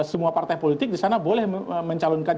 semua partai politik di sana boleh mencalonkan